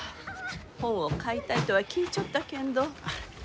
本を買いたいとは聞いちょったけんど。